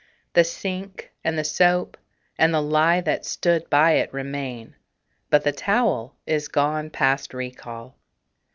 The sink and the soap and the lye that stood by it Remain; but the towel is gone past recall.